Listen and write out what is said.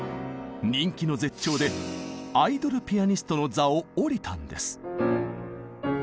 人気の絶頂でアイドル・ピアニストの座を降りたんです。